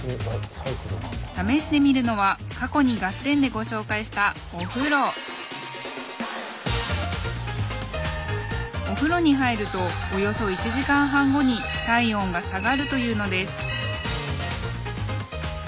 試してみるのは過去に「ガッテン！」でご紹介したお風呂に入るとおよそ１時間半後に体温が下がるというのです